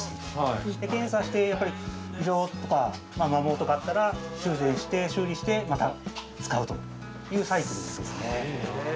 そして検査してやっぱり異常とか摩耗とかあったら修繕して修理してまた使うというサイクルですね。